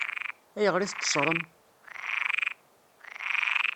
Ayɣer i t-teṣṣṛem?